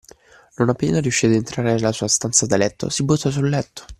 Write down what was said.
Non appena riuscì ad entrare nella sua stanza da letto, si buttò sul letto